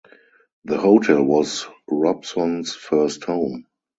The hotel was Robson's first home.